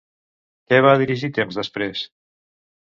Què va dirigir temps després?